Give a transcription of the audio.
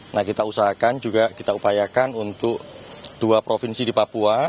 nah kita usahakan juga kita upayakan untuk dua provinsi di papua